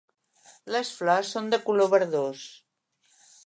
Les flors són de color verdós.